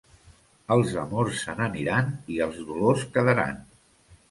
Els amors se n'aniran i els dolors quedaran.